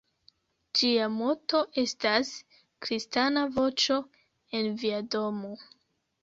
Ĝia moto estas: "Kristana voĉo en via domo".